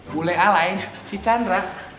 bule alay si chandra